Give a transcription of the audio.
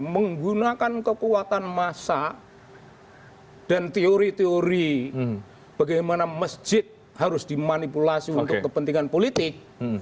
menggunakan kekuatan massa dan teori teori bagaimana masjid harus dimanipulasi untuk kepentingan politik